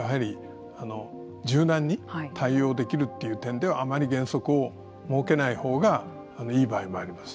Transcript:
柔軟に対応できるっていう点ではあまり原則を設けないほうがいい場合もあります。